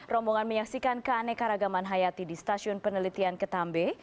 rombongan menyaksikan keaneka ragaman hayati di stasiun penelitian ketambe